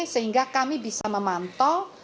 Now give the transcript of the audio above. sehingga kami bisa memantau